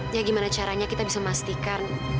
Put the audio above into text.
ya gimana caranya kita bisa memastikan